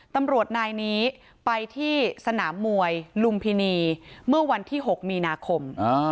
ตำรวจนายนี้ไปที่สนามมวยลุมพินีเมื่อวันที่๖มีนาคม